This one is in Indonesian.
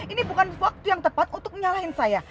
ini bukan waktu yang tepat untuk menyalahin saya